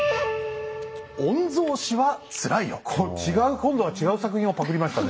今度は違う作品をパクりましたね。